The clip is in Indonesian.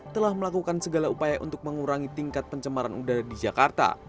telah melakukan segala upaya untuk mengurangi tingkat pencemaran udara di jakarta